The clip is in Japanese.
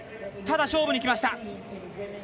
ただ勝負にいきました。